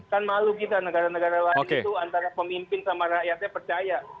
kan malu kita negara negara lain itu antara pemimpin sama rakyatnya percaya